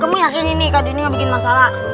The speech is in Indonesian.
kamu yakin ini kado ini nggak bikin masalah